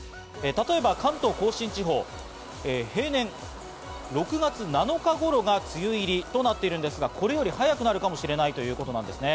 例えば関東甲信地方、平年６月７日頃が梅雨入りとなっているんですが、これより早くなるかもしれないということなんですね。